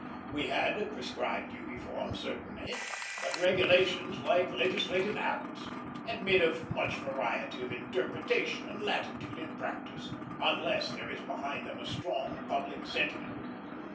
We had a prescribed uniform, certainly; but regulations, like legislative acts, admit of much variety of interpretation and latitude in practice, unless there is behind them a strong public sentiment.